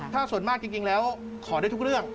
ถ้าส่วนมากจริงแล้วขอได้ทุกเรื่อง